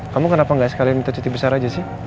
kamu kenapa nggak sekalian minta cuti besar aja sih